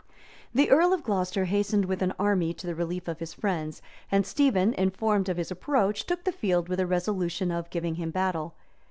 The earl of Glocester hastened with an army to the relief of his friends; and Stephen, informed of his approach, took the field with a resolution of giving him battle.